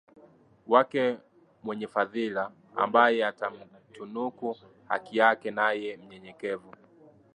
wake mwenye fadhila ambaye atamtunuku haki yake Naye mnyenyekevu